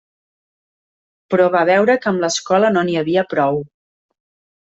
Però va veure que amb l'escola no n'hi havia prou.